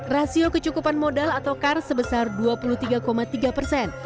rasio kecukupan modal atau kar sebesar dua puluh tiga tiga persen